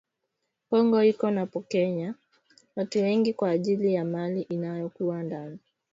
Kongo iko napokeya watu wengi kwa ajili ya mali inayo kuwa ndani